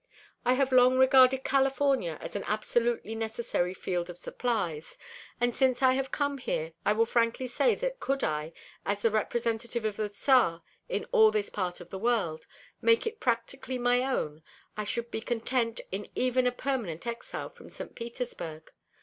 I have long regarded California as an absolutely necessary field of supplies, and since I have come here I will frankly say that could I, as the representative of the Tsar in all this part of the world, make it practically my own, I should be content in even a permanent exile from St. Petersburg.